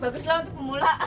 baguslah untuk pemula